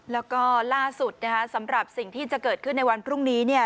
แล้วก็ล่าสุดนะคะสำหรับสิ่งที่จะเกิดขึ้นในวันพรุ่งนี้เนี่ย